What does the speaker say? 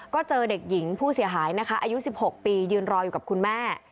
ก็เจอเด็กหญิงผู้เสียหายนะคะอายุ๑๖ปียืนรออยู่กับคุณแม่